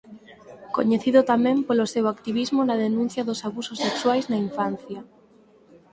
Coñecido tamén polo seu activismo na denuncia dos abusos sexuais na infancia.